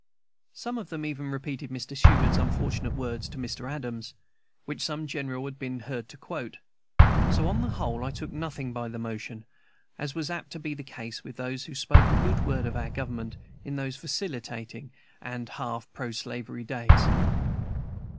Some of them even repeated Mr. Seward's unfortunate words to Mr. Adams, which some general had been heard to quote. So, on the whole, I took nothing by the motion, as was apt to be the case with those who spoke a good word for our Government, in those vacillating and half proslavery days.